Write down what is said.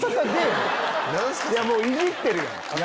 いやもういじってるやん。